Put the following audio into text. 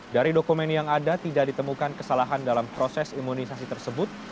dari dokumen yang ada tidak ditemukan kesalahan dalam proses imunisasi tersebut